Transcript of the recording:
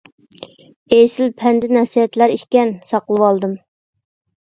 ئېسىل پەند-نەسىھەتلەر ئىكەن، ساقلىۋالدىم.